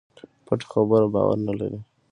پټه خبره باور نه لري.